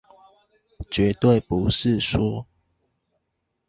絕對不是說